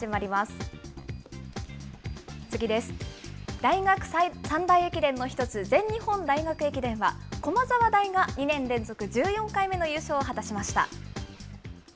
大学三大駅伝の１つ、全日本大学駅伝は、駒沢大が２年連続１４回目の優勝を果たしました。